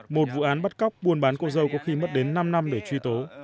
một vụ án bắt cóc buôn bán cô dâu có khi mất đến năm năm để truy tố